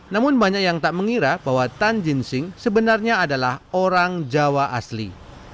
namun banyak yang tak mengira bahwa tan jin sing sebenarnya adalah orang jawa asli